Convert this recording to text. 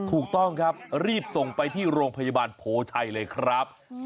ถูกต้องครับรีบส่งไปที่โรงพยาบาลโพชัยเลยครับ